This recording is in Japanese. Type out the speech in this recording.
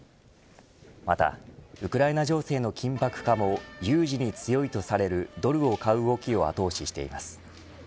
またウクライナ情勢の緊迫化も有事に強いとされるドルを買う動きを後押ししています。